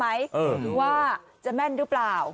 หรือว่าจะแม่นหรือเปล่า